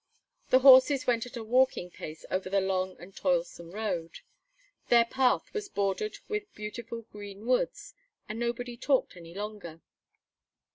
The horses went at a walking pace over the long and toilsome road. Their path was bordered with beautiful green woods, and nobody talked any longer.